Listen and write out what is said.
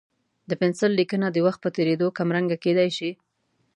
د پنسل لیکنه د وخت په تېرېدو کمرنګه کېدای شي.